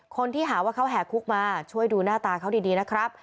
คนที่หาว่าเขาแห่คุกมาช่วยดูหน้าตาเขาดีนะครับ